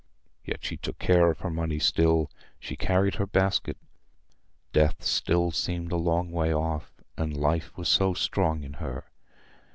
Yet she took care of her money still; she carried her basket; death seemed still a long way off, and life was so strong in her.